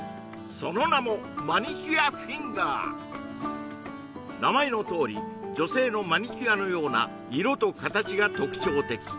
その名も名前のとおり女性のマニキュアのような色と形が特徴的